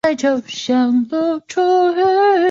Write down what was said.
可升级成麟师。